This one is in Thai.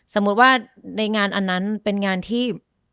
สมมุติว่าในงานอันนั้นเป็นงานที่